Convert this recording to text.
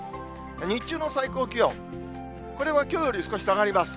日中の最高気温、これはきょうより少し下がります。